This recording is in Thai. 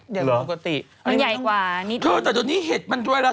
เธอแต่วันนี้เห็นกัน